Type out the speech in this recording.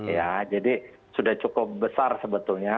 ya jadi sudah cukup besar sebetulnya